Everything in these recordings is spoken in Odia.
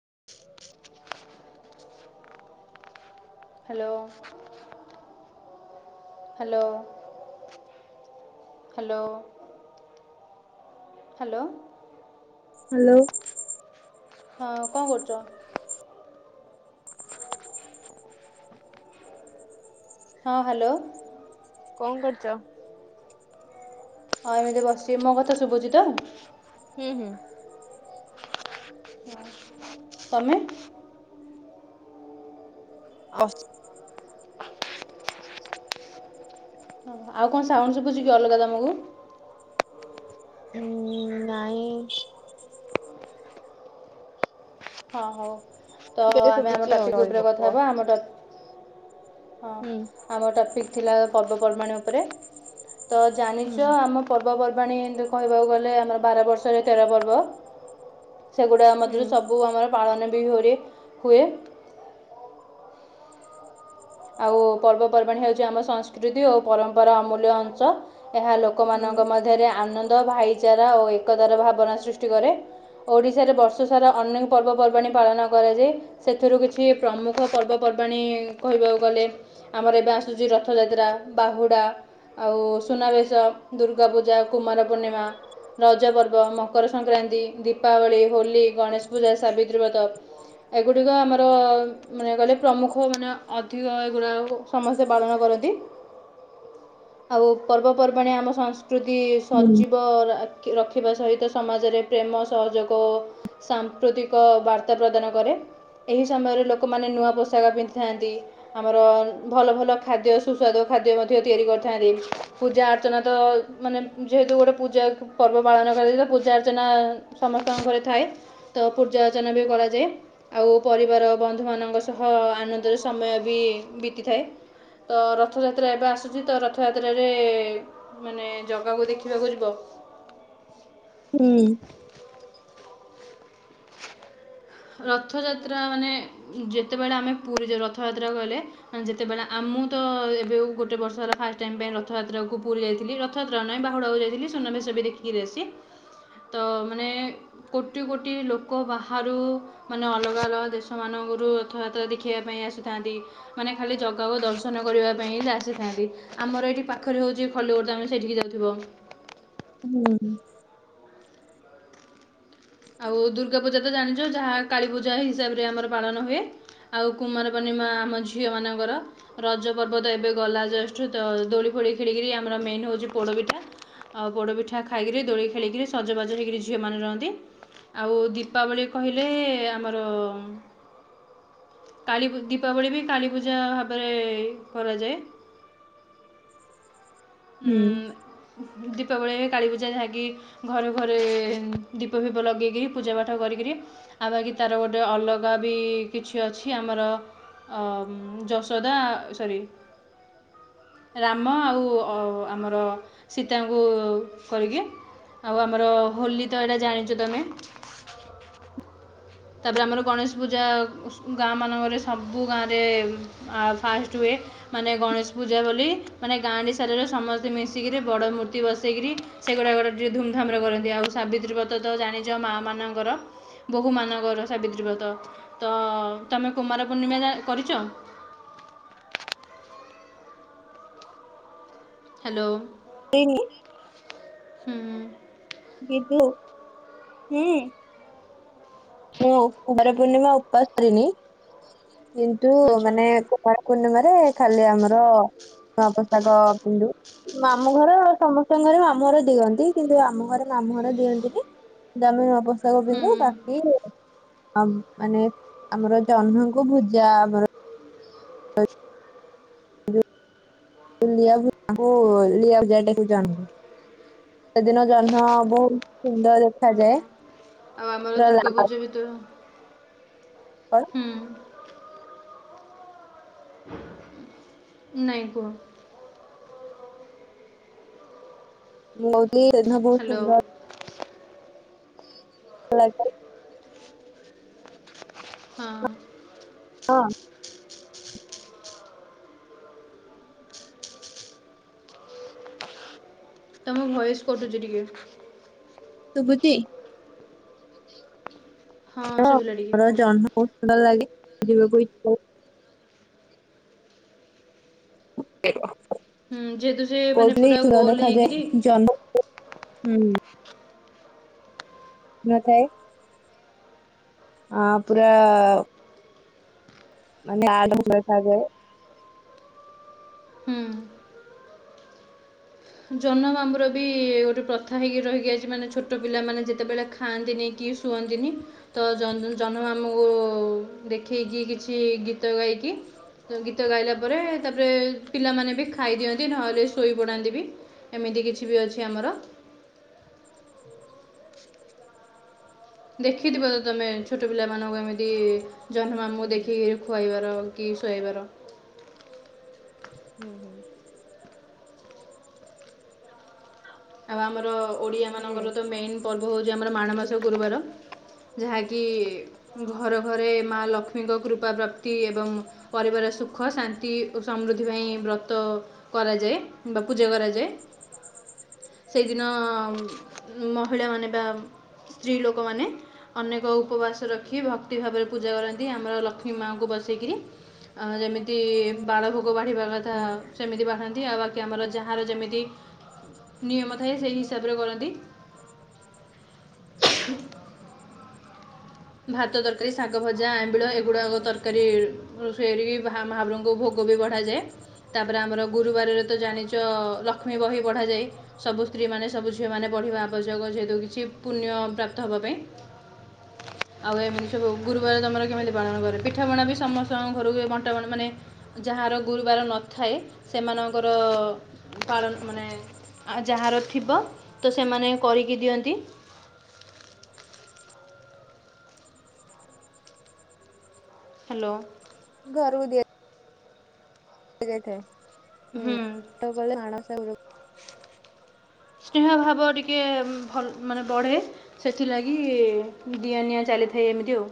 [inaudible] Hello! Hello hello! Hello! Hello! ହଁ କଣ କରୁଛ? ହଁ ହ୍ୟାଲୋ! କଣ କରୁଛ? ହଁ ଏମିତି ବସିିବ ମୋ କଥା ଶୁଭୁଛି ତ! ହଁ ହଁ। ତମେ? ଵସଛି। ଆଉ କଣ ସାଉଣ୍ଡ ଶୁଭୁଛି କି ଅଲଗା ତମକୁ? ହୁଁ ନାଇଁ। ହଁ ହଉ ତ ଟିକେ ଟିକେ ଆମେ ଆମ ଶୁଭୁଛି ଆଉ ଟପିକ ଚଳିବ ଉପରେ କଥା କୁହ। ହବା ଆମ ଟପିକ ହଁ ହୁଁ ଆମ ଟପିକ୍ ଥିଲା ପର୍ବପର୍ବାଣ ଉପରେ ତ ହୁଁ ଜାଣିଛ ଆମ ପର୍ବପର୍ ପର୍ବାଣୀ କହିବାକୁ ଗଲେ ଆମର ବାର ବର୍ଷରେ ତେର ପର୍ବ ସେଗୁଡ଼ା ହୁଁ ମଧ୍ୟରୁ ସବ୍ ପାଳନ ବିହୁରେ ହୁଏ ଆଉ ପର୍ବପର୍ବାଣି ହଉଛି ଆମ ସଂସ୍କୃତି ଓ ପରମ୍ପରା ଅମୂଲ୍ୟ ଅଂଶ। ଏହା ଲୋକମାନଙ୍କ ମଧ୍ୟରେ ଆନନ୍ଦ ଭାଇଚାରା ଓ ଏକତାର ଭାବନା ସୃଷ୍ଟି କରେ ଓଡିଶାରେ ବର୍ଷ ସାରା ଅନେକ ପର୍ବପର୍ବାଣି ପାଳନ କରାଯାଏ, ସେଥିରୁ କିଛି ପ୍ରମୁଖ ପର୍ବ ପର୍ ପର୍ବାଣୀ କହିବାକୁ ଗଲେ ଆମର ଏବେ ଆସୁଛି ରଥଯାତ୍ରା ବାହୁଡ଼ା ଆଉ ସୁନାବେଶ ଦୁର୍ଗା ପୂଜା କୁମାର ପୂର୍ଣ୍ଣିମା ରଜ ପର୍ବ ମକର ସଂକ୍ରାନ୍ତି ଦୀପାବଳି ହୋଲି ଗଣେଶ ପୂଜା ସାବିତ୍ରୀ ବ୍ରତ ଏଗୁଡିକ ଆମର ମାନେ ଗଲେ ପ୍ରମୁଖ ମାନେ ଅଧିକ ଏଗୁଡ଼ାକ ସମସ୍ତେ ପାଳନ କରନ୍ତି। ଆଉ ପର୍ବପର୍ବାଣି ଆମ ସଂସ୍କୃତି ସଜିବ ରଖିବା ସହିତ ସମାଜରେ ପ୍ରେମ ସହଯୋଗ ସାମ୍ପ୍ରତିକ ବାର୍ତ୍ତା ପ୍ରଦାନ କରେ ଏହି ସମୟରେ ଲୋକମାନେ ନୂଆ ପୋଷାକ ପିନ୍ଧିଥାନ୍ତି ଆମର ଭଲ ଭଲ ଖାଦ୍ୟ ସୁସ୍ୱାଦୁ ଖାଦ୍ୟ ମଧ୍ୟ ତିଆରି କରିଥାନ୍ତି ପୂଜା ଅର୍ଚ୍ଚନା ତ ମାନେ ଯେହେତୁ ଗୋଟେ ପୂଜା ପର୍ବ ପାଳନ କରାଯଏ ପୂଜ ଅର୍ଚ୍ଚନା ସମସ୍ତଙ୍କ ଘରେ ଥାଏ ତ ପୂଜା ଅର୍ଚ୍ଚନା ବି କରାଯାଏ ଆଉ ପରିବାର ବନ୍ଧୁ ମାନଙ୍କ ସହ ଆନନ୍ଦରେ ସମୟ ବି ବିତିଥାଏ। ତ ରଥଯାତ୍ରା ଏବେ ଆସୁଛି ତ ରଥଯାତ୍ରାରେ ମାନେ ଜଗାକୁ ଦେଖିବାକୁ ଯିବ? [inaudible] ହୁଁ। [inaudible] ରଥଯାତ୍ରା ମାନେ ଯେତେବେଳେ ଆମେ ପୁରୀ ରଥଯାତ୍ରା କହିଲେ ଯେତେବେଳେ ମୁଁ ତ ଏବେ ଗୋଟେ ବର୍ଷ ହେଲା ଫାଷ୍ଟ ଟାଇମ ପାଇଁ, ରଥଯାତ୍ରାକୁ ପୁରୀ ଯାଇଥିଲି ରଥଯାତ୍ରା ନହିଁ ବାହୁାକୁ ଯାଇଥିଲ [unintelligible] ତ ମନେ କୋଟି କୋଟି ଲୋ ଲୋକ ବାହାରୁ ମାନେ ଅଲଗା ଅଲଗା ଦେଶ ମାନଙ୍କରୁ ରଥଯାତ୍ରା ଦେଖିବା ପାଇଁ ଆସିଥାନ୍ତି, ମାନେ ଖାଲି ଜଗାକୁ ଦର୍ଶନ କରିବା ପାଇଁ ଆସିଥାନ୍ତି, ଆମର ଏଇଠି ପାଖରେ ହଉଛି ଖଲିବ ଆମେ ସେଇଠିକି ଯାଉଥିବ [unintelligible] ହୁଁ। ଆଉ ଦୁର୍ଗା ପୂଜା ତ ଜାଣିଛ ଯାହା କାଳୀ, ପୂଜା ହିସାବରେ ଆମର ପାଳନ ହୁଏ ଆଉ କୁମାର ପୂର୍ଣିମା ଆମ ଝିଅ ମାନଙ୍କର ରଜ ପର୍ବ ତ ଏବେ ଗଲା ଜଷ୍ଟ ଦୋ ଦୋଳି ଖେଳିକି ଆମର ମେନ୍ ହଉଛି ପୋଡ଼ ପିଠା ଆଉ ପୋଡ ପିଠା ଖାଇକିରି, ଦୋଳି ଖେଳିକିରି ସଜବାଜ ହେଇକିରି ଝିଅ ମାନ ରହନ୍ତି ଆଉ ଦୀପାବଳି କହିଲେ ଆମର କାଲି ଦୀପାବଳି ବି କାଳୀ ପୂଜା ଭାବରେ କରାଯାଏ ହୁଁ। ହୁଁ। ଦୀପାବଳି କାଳୀପୂଜା ଯାହାକି ଘରେ ଘରେ ଦୀପ ଫିପ ଲଗେଇକରି ପୂଜା ପାଠ କରିକରି ଆଉ ବାକି ତାର ଗୋଟେ ଅଲଗା ବି କିଛି ଅଛି ଆମର ଅ ଯଶୋଦା ସରି ରାମ ଆଉ ଅ ଆମର ସୀତାଙ୍କୁ କରିକି। ଆଉ ଆମର ହୋଲି ତ ଏଇଡା ଜାଣିଚ ତମେ। ତାପରେ ଆମର ଗଣେଶ ପୂଜା ସୁ ଗାଁ ମାନଙ୍କରେ ସବୁ ଗାଁରେ ଆଁ ଫାଷ୍ଟ ହୁଏ। ମାନେ ଗଣେଶ ପୂଜା ବୋଲି ମାନେ ଗାଁଟି ସାରରେ ସମସ୍ତେ ମିଶିକିରି ବଡ଼ ମୂର୍ତ୍ତି ବସେଇକିରି। ସେଗୁଡାକର ଟିକେ ଧୁମଧାମର କରନ୍ତି ଆଉ ସାବିତ୍ରୀ ବ୍ରତ ତ ଜାଣିଚ ମା ମାନଙ୍କର ବୋହୁ ମାନଙ୍କ ର ସାବିତ୍ରୀ ବ୍ରତ ତ ତମେ କୁମାର ପୂର୍ଣ୍ଣିମା ଯା କରିଚ। [inaudible] ହାଲୋ। [unintelligible] ହୁଁ। ଦିଦି ହୁଁ। ମୁଁ ଓ କୁମାର ପୂର୍ଣ୍ଣିମା ଉପାସ କରେନି। କିନ୍ତୁ ଆଚ୍ଛା ମାନେ କୁମାର ପୂର୍ଣ୍ଣିମାରେ ଖାଲି ଆମର ନୂଆ ପୋଷାକ ପିନ୍ଧୁ ମାମୁଁ ଘର ସମସ୍ତଙ୍କ ଘରେ ମାମୁଁ ଘର ଦିଅନ୍ତି କିନ୍ତୁ ଆମ ଘରେ ମାମୁଁ ଘରେ ଦିଅନ୍ତିନି କିନ୍ତୁ ଆମେ ନୂଆ ପୋଷାକ ପିନ୍ଧୁ ବାକି ହଁ ମାନେ ଆମର ଜହ୍ନଙ୍କୁ ଭୂଜା ଆମର [unintelligible] ସେଦିନ ଜହ୍ନ ବୋହୁତ ହଁ ଆଉ ଆମର ପୁରା ଲାଲ ଦୁର୍ଗା ପୂଜା ବି ତ କଲର। ହୁଁ। ନାଇଁ କୁହ। ମୁଁ କୋହୁଥିଲି ସେଦିନ ବୋହୁତ ହ୍ୟାଲୋ ସୁନ୍ଦର [unintelligible] ହଁ। ହଁ। ତମ ଭଏସ କଟୁଚି ଟିକେ। ଶୁବୁଚି। ହଁ ଶୁଭିଲା ଟିକେ ମୋର କୁହ ଜହ୍ନ ବୋହୁତ ସୁନ୍ଦର ଲାଗେ ଯିବାକୁ ଇଛା ହୋ [unintelligible] ହୁଁ ଯେହେତୁ ସେ ମାନେ କୋଉଥିଲି ପୁରା ସୁନ୍ଦର୍ ଗୋଲ ହେଇକିରି ଦେଖାଯାଏ ଜହ୍ନ ହୁଁ। ନଥାଏ ଆଁ ପୁରା। ମାନେ [unintelligible] ଦେଖାଯାଏ। ହୁଁ। ଜହ୍ନ ମାମୁଁ ର ବି ଗୋଟେ ପ୍ରଥା ହେଇକି ରହିକି ଆଇଚି ମାନେ ଛୋଟୋ ପିଲାମାନେ ଯେତେବେଳେ ଖାଆନ୍ତିନି କି କି ଶୁଅନ୍ତିନି ତ ଜହ୍ନ ଜହ୍ନ ମାମୁଁଙ୍କୁ ଦେଖେଇକି କିଛି ଗୀତ ଗାଇକି ତ ଗୀତ ଗାଇଲା ପରେ ତାପରେ ପିଲାମାନେ ବି ଖାଇ ଦିଅନ୍ତି ନହେଲେ ଶୋଇପଡନ୍ତି ବି। ଏମିତି କିଛି ବି ଅଛି ଆମର। ଦେଖିଥିବ ତ ତମେ ଛୋଟୋ ପିଲାମାନଙ୍କୁ ଏମିତି ଜହ୍ନ ମାମୁଁ ହୁଁ। ଦେଖିକିରି ଖୁଆଇବାର କି ଶୁଆଇବାର। ହୁଁ ହୁଁ। ଆଉ ଆମର ଓଡ଼ିଆ ହୁଁ ମାନଙ୍କର ତ ମେନ୍ ପର୍ବ ହୋଉଚି ଆମର ମାଣ ବସା ଗୁରୁବାର। ଯାହାକି ଘର ଘରେ ମା ଲକ୍ଷ୍ମୀଙ୍କ କୃପା ପ୍ରାପ୍ତି ଏବଂ ପରିବାର ର ସୁଖ ଶାନ୍ତି ଓ ସମୃଦ୍ଧି ପାଇଁ ବ୍ରତ କରାଯାଏ। ବା ପୂଜା କରାଯାଏ। ସେଇଦିନ ମହିଳା ମାନେ ବା ସ୍ତ୍ରୀ ଲୋକୋମାନେ ଅନେକ ଉପବାସ ରଖି ଭକ୍ତି ଭାବରେ ପୂଜା କରନ୍ତି ଆମର ଲକ୍ଷ୍ମୀ ମାଙ୍କୁ ବସେଇକିରି ଆଁ ଯେମିତି ବାଳ ଭୋ ଗୋ ବଢିବା କଥା ସେମିତି ବାହାନ୍ତି ଆଉ ବାକି ଆମର ଯାହାର ଯେମିତି ନିୟମ ଥାଏ। ସେଇ ହିସାବରେ କରନ୍ତି। ଭାତ ତରକାରୀ ଶାଗ ଭଜା ଆମ୍ବିଳ ଏଗୁଡାକ ତରକାରୀ ଫେରିବି ଭା ମାହାପ୍ରଭୁ ଙ୍କୁ ଭୋ ଗୋ ବି ବଢ଼ାଯାଏ। ତାପରେ ଆମର ଗୁରୁବାରରେ ତ ଜାଣିଛ ଲକ୍ଷ୍ମୀ ବହି ପଢାଯାଏ ସବୁ ସ୍ତ୍ରୀ ମାନେ ସବୁ ଝିଅ ମାନେ ବ ପଢିବା ଆବଶ୍ୟକ ଯେହେତୁ କିଛି ପୁଣ୍ୟ ପ୍ରାପ୍ତ ହବା ପାଇଁ। ଆଉ ଏମିତି ସବୁ ଗୁରୁବାର ତମର କେମିତି ପାଳନ କରେ? ପିଠାପଣା ବି ସମସ୍ତଙ୍କ ଘରକୁ ବଣ୍ଟା ମାନେ ଯାହାର ଗୁରୁବାର ନଥାଏ ସେମାନଙ୍କର ପାଳନ ମାନେ ଆ ଯାହାର ଥିବ ତ ସେମାନେ କରିକି ଦିଅନ୍ତି। ହ୍ୟାଲୋ। ଘରୁକୁ ଦେଇ ଇଥାଏ ହୁଁ ତ କ ମଣବସା ଗୁରୁ ସ୍ନେହ ଭାବ ଟିକେ ଭଲ ମାନେ ବଢେ ସେଥିଲାଗି ଦିଆ ନିଆଁ ଚାଲି ଲିଥାଏ ଏମିତି ଆଉ।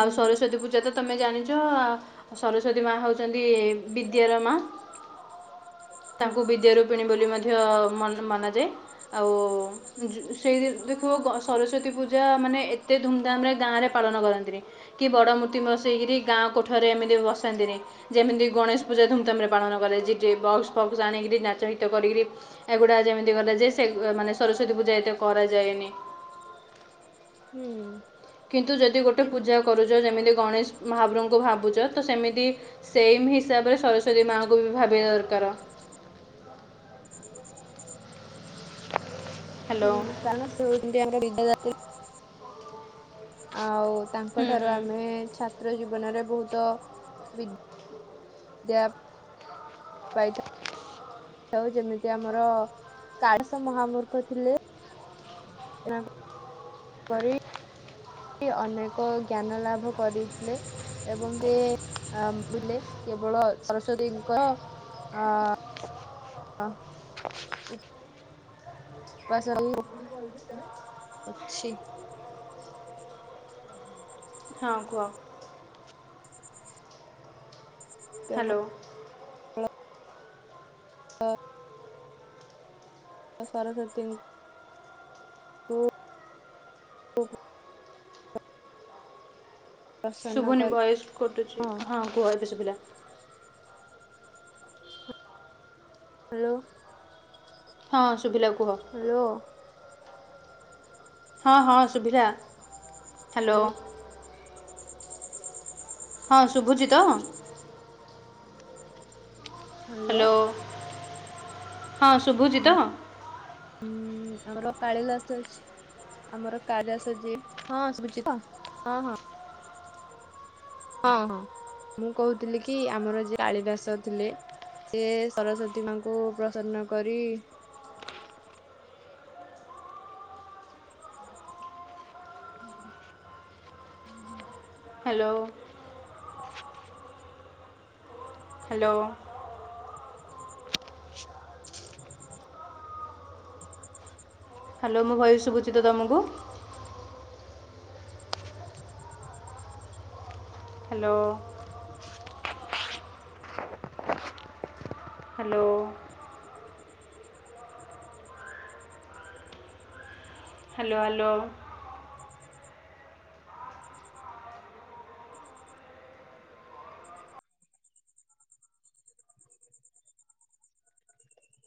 ଆଉ ସରସ୍ଵତୀ ପୂଜା ତ ତମେ ଜାଣିଛ। ସରସ୍ଵତୀ ମା ହଉଛନ୍ତି ବିଦ୍ୟାର ମା। ହୁଁ ତାଙ୍କୁ ବିଦ୍ୟା ରୂପିଣୀ ବୋଲି ମା ଧ୍ୟ ମାନେ ମନାଯାଏ ଆଉ ଯେ ସେ ଦେଖିବ ଗ ସରସତି ପୂଜା ମାନେ ଏତେ ଧୁମଧାମ ରେ ଗାଁରେ ପାଳନ କରନ୍ତିି ନି ବଡ ମୂର୍ତ୍ତି ବସେଇକିରି ଗାଁ କୋଠରେ ଏମିତି ବସ ନ୍ତିନି ଯେମିତି ଗଣେଶ ପୂଜା ଧୁମ ଧାମ ରେ ପାଳନ କରା ଯାଏ ଡିଜେ ବକ୍ସ ଆଣିକରି ନାଚ ଗିତ କରିକି ଏଗୁଡା ଯେମିତି କଲେ ଯେ ମାନେ ସରସ୍ଵତୀ ପୂଜା ଏତେ କରାଯାଏ ନି। ହୁଁ। କିନ୍ତୁ ଯଦି ଗୋଟେ କିନ୍ତୁ ପୂଜା କରୁଛ ଯେମିତି ଗଣେଶ ମହାପ୍ରଭଙ୍କୁ ଭାବୁଛ ତ ସେମିତି ସେମ୍ ହିସାବରେ ସରସ୍ଵତୀ ମାଆଙ୍କୁ ବି ଭାବିବା ଦରକାର। [inaudible] ହ୍ୟାଲୋ ହ କାରଣ ସେ ହଉଛନ୍ତି ଆମର ବିଦ୍ୟା ଦାତ୍ରୀ। ଆଉ ତାଙ୍କ ହୁଁ ଠାରୁ ହୁଁ ଆମେ ଛାତ୍ର ଜୀବନରେ ବହୁତ ବି ଦ୍ୟା ପ। ପାଇଥାଉ। ଉ ଯେମିତି ଆମର କାଳିଶ ମହାମୂର୍ଖ ଥିଲେ। [unintelligible] କରି ଅନେକ ଜ୍ଞାନ ଲାଭ କରିଥିଲେ ଏବଂ ସେ ଆ ବୁଲେ କେବଳ ସରସ୍ଵତୀଙ୍କ ଅ ହ। ବାସ୍ [unintelligible] ଅଛି। [inaudible] ହଁ କୁହ? କେବଳ ହ୍ୟାଲୋ। ଅ ସରସ୍ୱତୀଙ୍କୁ। [unintelligible] ପ୍ରସନ୍ନ ଶୁଭୁନି କରି ଭୟସ କଟୁଛି ହଁ କୁହ ଏବେ ସୁବିଲା। ହ୍ୟାଲୋ। ହଁ ଶୁଭିଲା କୁହ? ହ୍ୟାଲୋ ହଁ ହଁ ସୁଭିଲା ହ୍ୟାଲୋ। ହ୍ୟାଲୋ ହଁ ଶୁଭୁଜି ତ? ହେଲୋ। ହ୍ୟାଲୋ ହଁ ଶୁଭୁଚି ତ? ହୁଁ ଆମର କାଳିଦାସ୍ ଅଛି। ଆମର କାଳିଦାସ ଯିଏ, ହଁ ସୁଭୂଚି ତ ହଁ ହଁ। ହଁ ହଁ, ମୁଁ କହୁଥିଲି କି ଆମର ଯେ କାଳିିଦାସ ଥିଲେ। ସେ ସରସ୍ଵତୀ ମାଙ୍କୁ ପ୍ରସନ୍ନ କରି ହୁଁ। ହ୍ୟାଲୋ! ହ୍ୟାଲୋ? [inaudible] ହ୍ୟାଲୋ ମୋ ଭୟସ୍ ସୁଭୁଚିତ ତମକୁ? ହ୍ୟାଲୋ! ହ୍ୟାଲୋ! Hello, hello!